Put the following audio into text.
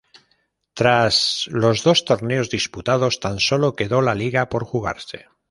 Tras los dos torneos disputados tan solo quedó la liga por jugarse.